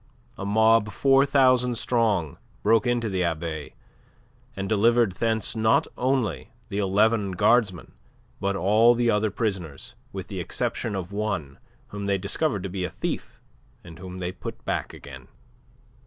A mob four thousand strong broke into the Abbaye, and delivered thence not only the eleven guardsmen, but all the other prisoners, with the exception of one whom they discovered to be a thief, and whom they put back again.